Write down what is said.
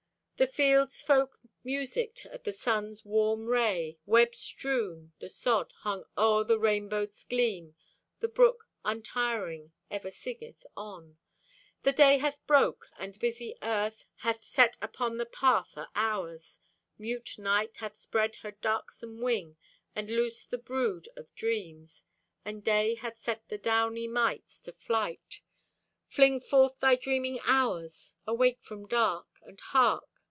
The fields folk musicked at the sun's warm ray. Web strewn, the sod, hung o'er o' rainbow gleam. The brook, untiring, ever singeth on. The Day hath broke, and busy Earth Hath set upon the path o' hours. Mute Night hath spread her darksome wing And loosed the brood of dreams, And Day hath set the downy mites to flight. Fling forth thy dreaming hours! Awake from dark! And hark!